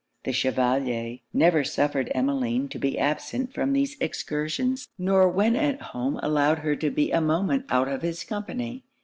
The Chevalier never suffered Emmeline to be absent from these excursions, nor when at home allowed her to be a moment out of his company.